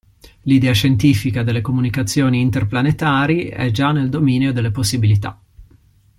L'idea scientifica delle comunicazioni interplanetari è già nel dominio delle possibilità.